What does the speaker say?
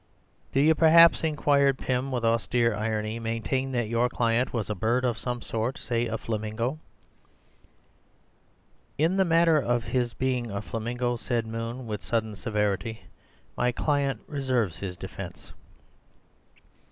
"Do you, perhaps," inquired Pym with austere irony, "maintain that your client was a bird of some sort—say, a flamingo?" "In the matter of his being a flamingo," said Moon with sudden severity, "my client reserves his defence."